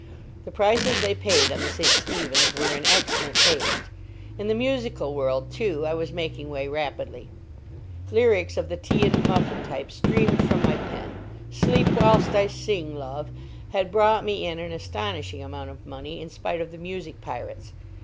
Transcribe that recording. The prices they paid on the St. Stephen's were in excellent taste. In the musical world, too, I was making way rapidly. Lyrics of the tea and muffin type streamed from my pen. "Sleep whilst I Sing, Love," had brought me in an astonishing amount of money, in spite of the music pirates.